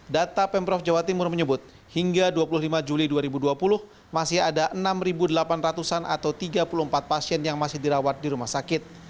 data pemprov jawa timur menyebut hingga dua puluh lima juli dua ribu dua puluh masih ada enam delapan ratus an atau tiga puluh empat pasien yang masih dirawat di rumah sakit